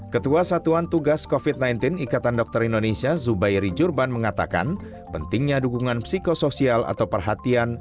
ketua satuan tugas covid sembilan belas ikatan dokter indonesia zubairi jurban mengatakan pentingnya dukungan psikosoial atau perhatian